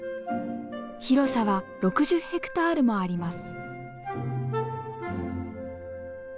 広さは６０ヘクタールもあります。